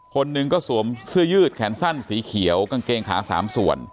คนหนึ่งก็สวมเสื้อยืดแขนสั้นสีเขียวกางเกงขา๓ส่วน